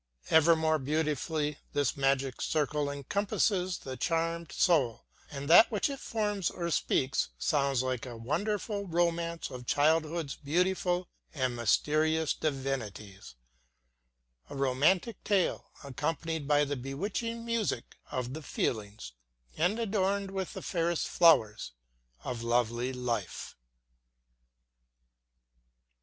Ever more beautifully this magic circle encompasses the charmed soul, and that which it forms or speaks sounds like a wonderful romance of childhood's beautiful and mysterious divinities a romantic tale, accompanied by the bewitching music of the feelings, and adorned with the fairest flowers of lovely life.